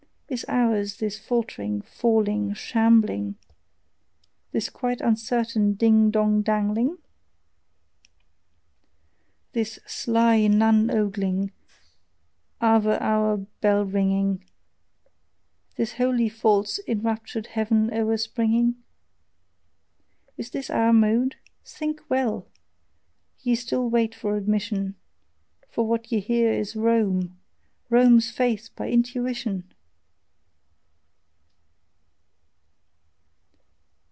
Is ours this faltering, falling, shambling, This quite uncertain ding dong dangling? This sly nun ogling, Ave hour bell ringing, This wholly false enraptured heaven o'erspringing? Is this our mode? Think well! ye still wait for admission For what ye hear is ROME ROME'S FAITH BY INTUITION!